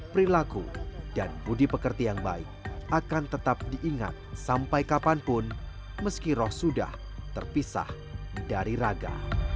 perilaku dan budi pekerti yang baik akan tetap diingat sampai kapanpun meski roh sudah terpisah dari raga